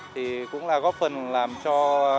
thì cũng là góp phần làm cho